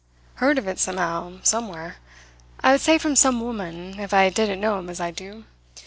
Heard of it somehow, somewhere I would say from some woman, if I didn't know him as I do.